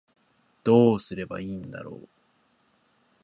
どうすればいいんだろう